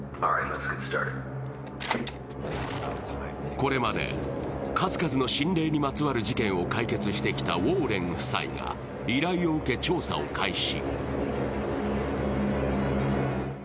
これまで数々の心霊にまつわる事件を解決してきたウォーレン夫妻が依頼を受け調査を開始。